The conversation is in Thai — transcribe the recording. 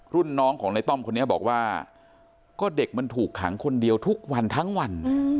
รุ่นน้องของในต้อมคนนี้บอกว่าก็เด็กมันถูกขังคนเดียวทุกวันทั้งวัน